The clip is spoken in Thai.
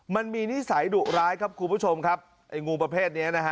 นิสัยดุร้ายครับคุณผู้ชมครับไอ้งูประเภทเนี้ยนะฮะ